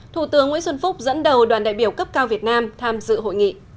thủ tướng nguyễn xuân phúc dẫn đầu đoàn đại biểu cấp cao việt nam tham dự hội nghị